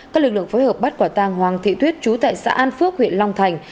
các lực lượng phối hợp bắt quả tàng hoàng thị thuyết trú tại xã an phước huyện long thành